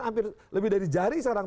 hampir lebih dari jari seorang